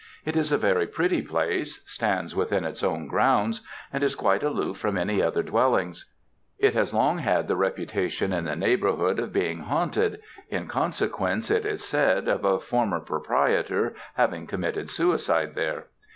It is a very pretty place stands within its own grounds and is quite aloof from any other dwellings. It has long had the reputation in the neighbourhood of being haunted, in consequence, it is said, of a former proprietor having committed suicide there.